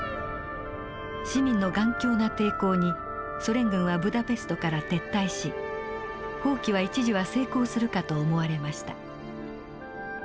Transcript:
市民の頑強な抵抗にソ連軍はブダペストから撤退し蜂起は一時は成功するかと思われました。